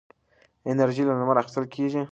انرژي له لمره اخېستل کېږي.